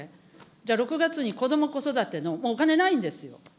じゃあ６月にこども・子育ての、もうお金ないんですよ。